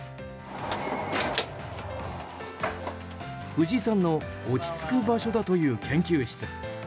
藤井さんの落ち着く場所だという研究室。